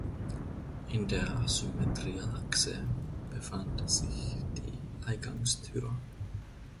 In der Symmetrieachse befand sich die Eingangstür.